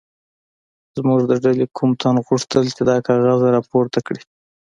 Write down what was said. زموږ د ډلې کوم تن غوښتل چې دا کاغذ راپورته کړي.